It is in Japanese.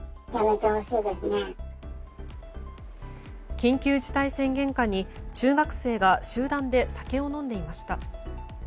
緊急事態宣言下に中学生が集団で酒を飲んでいました。